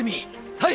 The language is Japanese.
はい！！